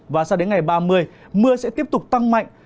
và sang đến ngày ba mươi mưa sẽ tiếp tục tăng mạnh